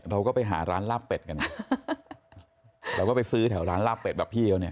เราก็ไปหาร้านลาบเป็ดกันเราก็ไปซื้อแถวร้านลาบเป็ดแบบพี่เขาเนี่ย